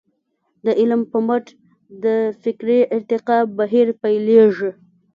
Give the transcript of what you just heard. د علم په مټ د فکري ارتقاء بهير پيلېږي.